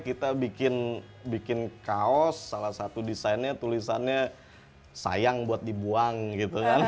kita bikin kaos salah satu desainnya tulisannya sayang buat dibuang gitu kan